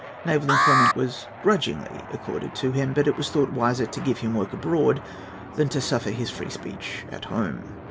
Naval employment was grudgingly accorded to him; but it was thought wiser to give him work abroad than to suffer under his free speech at home.